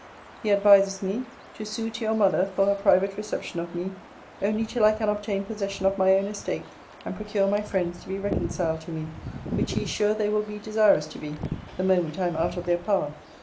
He advises me, 'To sue to your mother, for her private reception of me; only till I can obtain possession of my own estate, and procure my friends to be reconciled to me; which he is sure they will be desirous to be, the moment I am out of their power.'